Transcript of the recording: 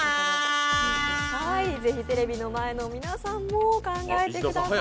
ぜひテレビの前の皆さんも考えてください。